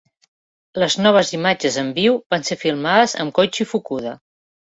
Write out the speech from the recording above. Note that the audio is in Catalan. Les noves imatges en viu van ser filmades amb Koichi Fukuda.